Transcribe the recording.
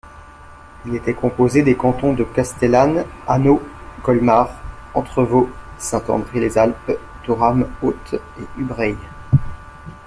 Il était composé des cantons de Castellane, Annot, Colmars, Entrevaux, Saint-André-les-Alpes, Thorame-Haute et Ubraye.